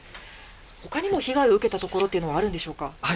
ほかにも被害を受けた所というのはあるんでしょうか。